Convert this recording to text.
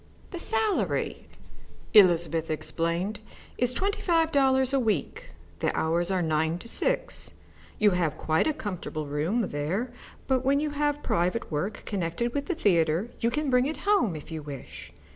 "The salary," Elizabeth explained, "is twenty five dollars a week. The hours are nine to six. You have quite a comfortable room there, but when you have private work connected with the theatre you can bring it home if you wish.